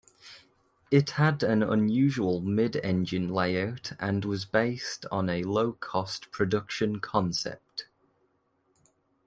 It had an unusual mid-engine layout and was based on a low-cost production concept.